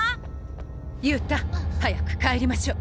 勇太早く帰りましょう。